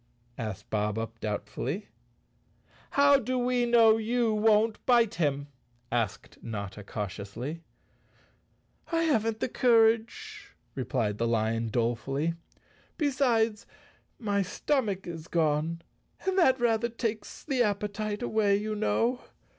asked Bob Up doubtfully. "How do we know you won't bite him?" asked Notta cautiously. "I haven't the courage," replied the lion dolefully. "Besides my stomach is gone and that rather takes the appetite away, you know.